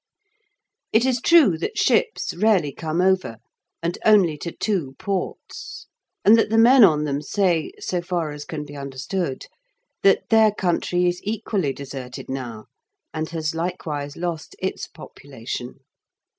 It is true that ships rarely come over, and only to two ports, and that the men on them say (so far as can be understood) that their country is equally deserted now, and has likewise lost its population.